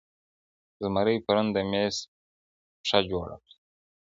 زمري پرون د مېز پښه جوړه کړه.